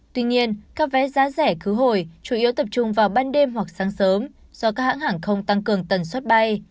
tuy nhiên các vé giá rẻ cứu hồi chủ yếu tập trung vào ban đêm hoặc sáng sớm do các hãng hàng không tăng cường tần suất bay